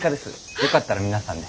よかったら皆さんで。